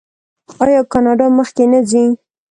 آیا کاناډا مخکې نه ځي؟